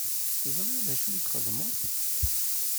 Teẓṛiḍ d acu i txedmeḍ?